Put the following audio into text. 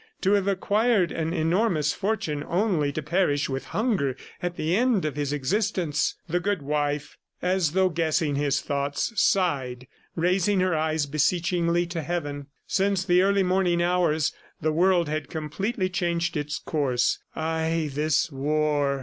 To have acquired an enormous fortune only to perish with hunger at the end of his existence! ... The good wife, as though guessing his thoughts, sighed, raising her eyes beseechingly to heaven. Since the early morning hours, the world had completely changed its course. Ay, this war!